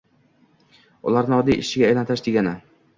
ularni oddiy ishchiga aylantirish degani